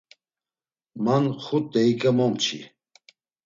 Man xut deiǩe momçi.